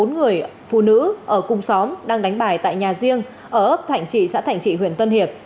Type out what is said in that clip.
bốn người phụ nữ ở cùng xóm đang đánh bài tại nhà riêng ở ấp thạnh trị xã thạnh trị huyện tân hiệp